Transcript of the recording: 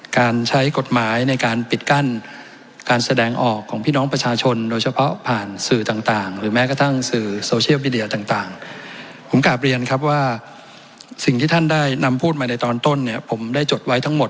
การใช้กฎหมายในการปิดกั้นการแสดงออกของพี่น้องประชาชนโดยเฉพาะผ่านสื่อต่าง